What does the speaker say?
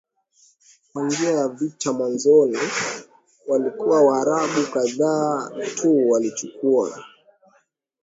kwa njia ya vita Mwanzoni walikuwa Waarabu kadhaa tu walichukua